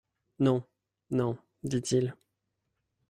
Non, non, dit-il.